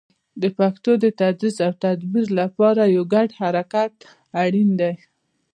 د پښتو د تدریس او تدابیر لپاره یو ګډ حرکت اړین دی.